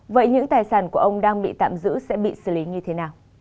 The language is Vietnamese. vậy những tài sản của ông đang bị tạm giữ sẽ bị xử lý như thế nào